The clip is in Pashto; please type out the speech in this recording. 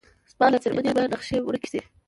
زما له څرمنې به نخښې ورکې شې